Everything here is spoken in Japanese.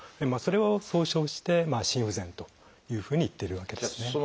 それを総称して「心不全」というふうに言っているわけですね。